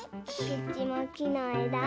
くちもきのえだで。